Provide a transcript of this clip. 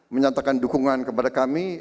menyatakan dukungan kepada kami